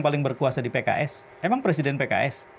paling berkuasa di pks emang presiden pks